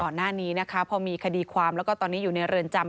หน้านี้นะคะพอมีคดีความแล้วก็ตอนนี้อยู่ในเรือนจำ